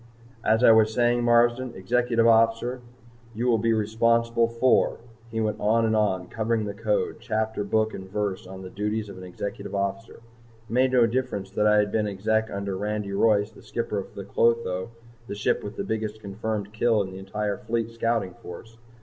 "As I was saying, Marsden, Executive Officer, you will be responsible for " He went on and on, covering the Code chapter, book and verse on the duties of an Executive Officer. It made no difference that I had been Exec under Andy Royce, the skipper of the "Clotho," the ship with the biggest confirmed kill in the entire Fleet Scouting Force.